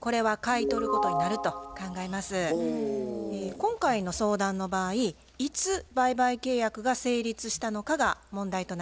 今回の相談の場合いつ売買契約が成立したのかが問題となります。